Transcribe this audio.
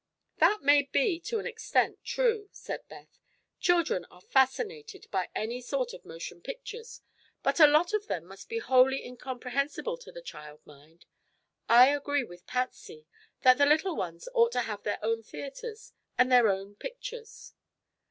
"That may be, to an extent, true," said Beth. "Children are fascinated by any sort of motion pictures, but a lot of them must be wholly incomprehensible to the child mind. I agree with Patsy that the little ones ought to have their own theatres and their own pictures."